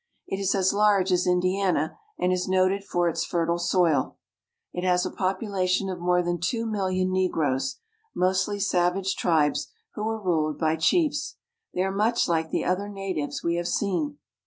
It is as large as Indiana and is noted for its fertile soil. It has a population of more than two rail lion negroes, mostly savage tribes who are ruled by chiefs. They are much like the other natives we have seen.